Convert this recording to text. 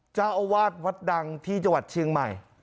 เจ้าอาวาสวัดดังที่จังหวัดเชียงใหม่